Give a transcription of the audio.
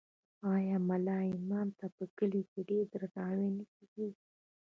آیا ملا امام ته په کلي کې ډیر درناوی نه کیږي؟